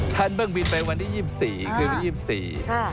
ท่านเบื้องบินไปวันที่๒๔คือวันที่๒๔ครับ